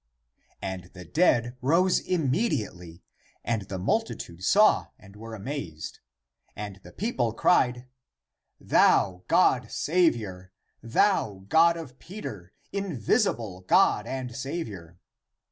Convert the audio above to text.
And the dead rose immediately, and the multitude saw and were amazed, and the people cried, " Thou, God Saviour, thou, God of Peter, invisible God and Saviour."